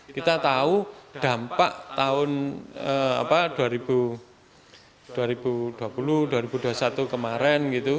kita tahu dampak tahun dua ribu dua puluh dua ribu dua puluh satu kemarin gitu